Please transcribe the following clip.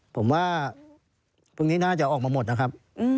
ผมว่าพรุ่งนี้น่าจะออกมาหมดนะครับ